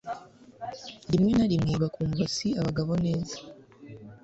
rimwe na rimwe bakumva si abagabo neza.